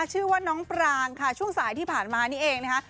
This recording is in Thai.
ชื่อว่าน้องปรางค่ะช่วงสายที่ผ่านมานี่เองนะคะ